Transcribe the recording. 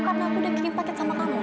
karena aku udah kirim paket sama kamu